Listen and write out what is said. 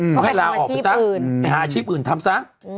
ก็ให้ลาออกไปซะไปหาอาชีพอื่นทำซะ